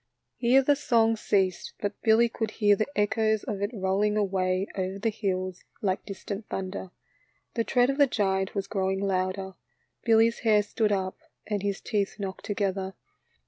Here the song ceased, but Billy could hear the echoes of it rolling away over the hills like distant thunder. The tread of the giant was growing louder, Billy's hair stood up and his teeth knocked together.